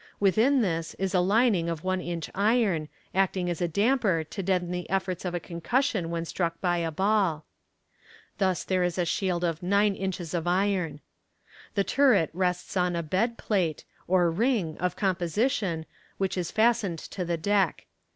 Within this is a lining of one inch iron, acting as a damper to deaden the effects of a concussion when struck by a ball thus there is a shield of nine inches of iron. The turret rests on a bed plate, or ring, of composition, which is fastened to the deck.